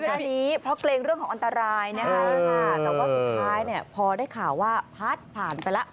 เรื่องนี้เพราะเกรงเรื่องของอันตรายนะคะแต่ว่าสุดท้ายเนี่ยพอได้ข่าวว่าพัดผ่านไปแล้ว